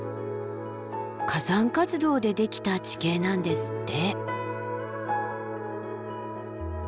火山活動でできた地形なんですって。